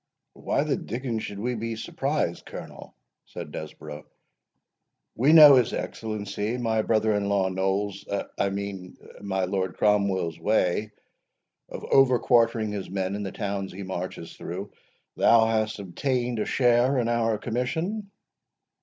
"Why the dickens should we be surprised, Colonel?" said Desborough; "we know his Excellency, my brother in law Noll's—I mean my Lord Cromwell's way, of overquartering his men in the towns he marches through. Thou hast obtained a share in our commission?"